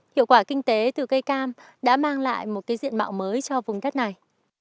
hiệu quả kinh tế từ cây cam đã mang lại một diện mạo mới cho vùng đất này